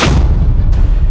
hanya dengan melihatnya dua kali